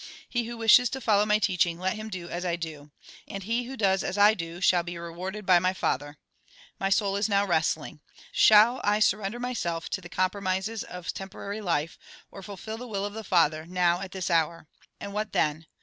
He who wishes to follow my teaching, let him do as I do. And he who does as I do shall be rewarded by my Father. My soul is now wrestling. ShaU I surrender my self to the compromises of temporary life, or fulfil the will of the Father, now, at this hour ? And what then